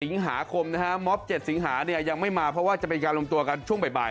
ถึงสิงหาคมม็อฟ๗สิงหายังไม่มาเพราะว่าจะไปการลงตัวกันช่วงบ่าย